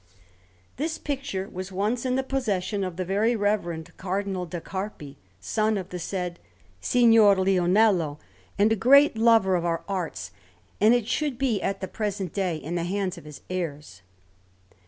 This picture was once in the possession of the very reverend Cardinal da Carpi, the son of the said Signor Leonello, and a great lover of our arts; and it should be at the present day in the hands of his heirs.